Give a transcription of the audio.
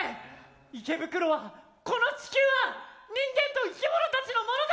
池袋はこの地球は人間といきものたちのものだ！